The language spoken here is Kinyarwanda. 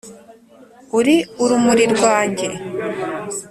uri urumuri rwanjye